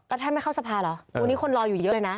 แล้วท่านไม่เข้าสภาเหรอวันนี้คนรออยู่เยอะเลยนะ